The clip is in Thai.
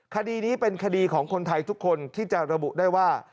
คดีนี้เป็นคดีของคนไทยทุกคนที่จะระบุได้ว่า